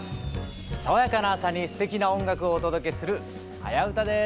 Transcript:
爽やかな朝にすてきな音楽をお届けする「はやウタ」です。